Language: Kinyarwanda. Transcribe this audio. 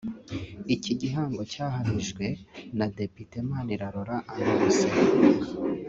Iki gihango cyahamijwe na Depite Manirarora Annoncée